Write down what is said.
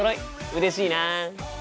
うれしいな。